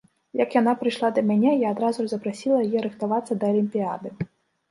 Як яна прыйшла да мяне, я адразу ж запрасіла яе рыхтавацца да алімпіяды.